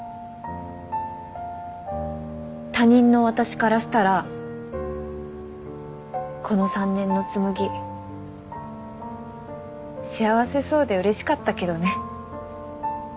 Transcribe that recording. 他人の私からしたらこの３年の紬幸せそうでうれしかったけどね。